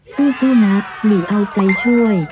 สู้นะหลีเอาใจช่วย